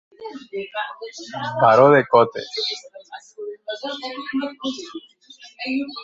Baró de Cotes.